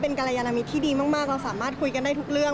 กรยานมิตรที่ดีมากเราสามารถคุยกันได้ทุกเรื่อง